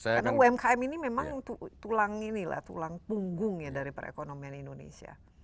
karena umkm ini memang tulang ini lah tulang punggungnya dari perekonomian indonesia